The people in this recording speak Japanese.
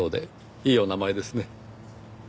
いいお名前ですね。